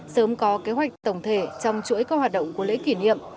sớm có kế hoạch tổng thể trong chuỗi các hoạt động của lễ kỷ niệm